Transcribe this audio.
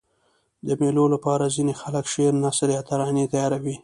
د مېلو له پاره ځيني خلک شعر، نثر یا ترانې تیاروي.